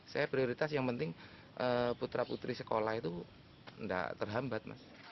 saya prioritas yang penting putra putri sekolah itu tidak terhambat mas